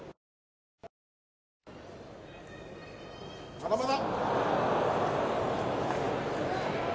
まだまだ。